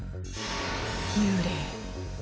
幽霊。